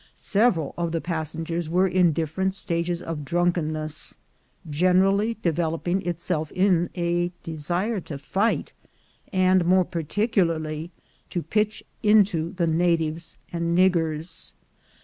Several of the passengers were in differ ent stages of drunkenness, generally developing itself in a desire to fight, and more particularly to pitch into the natives and niggers.